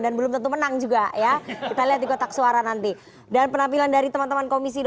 dan belum tentu menang juga ya kita lihat di kotak suara nanti dan penampilan dari teman teman komisi